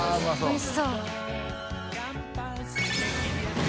おいしそう。